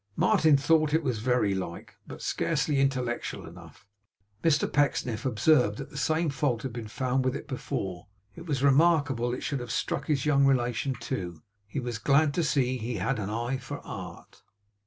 Martin thought it was very like, but scarcely intellectual enough. Mr Pecksniff observed that the same fault had been found with it before. It was remarkable it should have struck his young relation too. He was glad to see he had an eye for art.